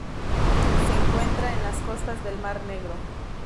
Se encuentra en las costas del Mar Negro.